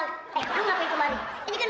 eh kudung apa yang kemarin